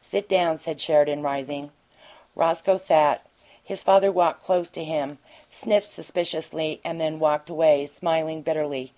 "Sit down," said Sheridan, rising. Roscoe sat. His father walked close to him, sniffed suspiciously, and then walked away, smiling bitterly.